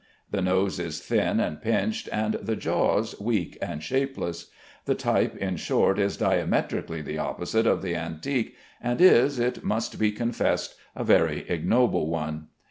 The nose is thin and pinched, and the jaws weak and shapeless. The type, in short, is diametrically the opposite of the antique, and is (it must be confessed) a very ignoble one.